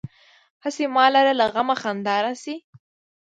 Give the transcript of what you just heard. هسې ما لره له غمه خندا راشي.